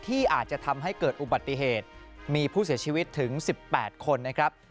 ที่อาจจะทำให้เกิดอุบัติเหตุมีผู้เสียชีวิตถึง๑๘คนนะครับ